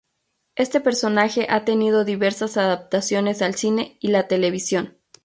Este personaje ha tenido diversas adaptaciones al cine y la televisión.